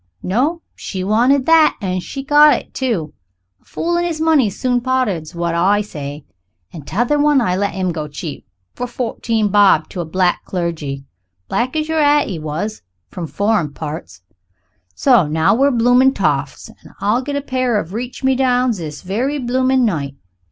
No she wanted that. An' she got it too. A fool and his money's soon parted's what I say. And t'other one I let 'im go cheap, for fourteen bob, to a black clergyman black as your hat he was, from foreign parts. So now we're bloomin' toffs, an' I'll get a pair of reach me downs this very bloomin' night.